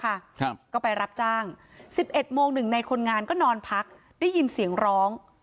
ครับก็ไปรับจ้างสิบเอ็ดโมงหนึ่งในคนงานก็นอนพักได้ยินเสียงร้อง